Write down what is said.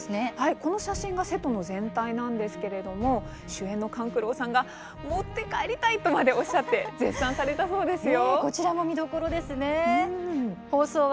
この写真がセットの全体なんですが主演の勘九郎さんが持って帰りたいとまでおっしゃって絶賛されたそうですよ。